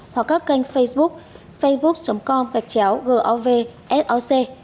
hoặc các kênh facebook facebook com gạch chéo g o v s o c